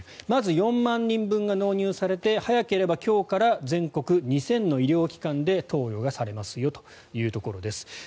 まず４万人分が納入されて早ければ今日から全国２０００の医療機関で投与がされますよというところです。